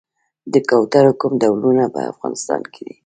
د کوترو کوم ډولونه په افغانستان کې دي؟